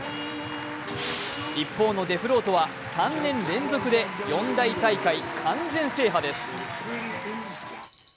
一方のデフロートは３年連続で四大大会完全制覇です。